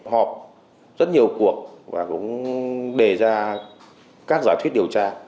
họp rất nhiều cuộc và cũng đề ra các giả thuyết điều tra